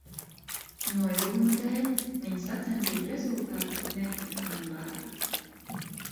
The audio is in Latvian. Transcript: Noilguma dēļ viņa sacensību rezultāti netika anulēti.